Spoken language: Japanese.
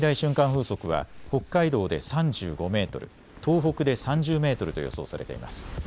風速は北海道で３５メートル、東北で３０メートルと予想されています。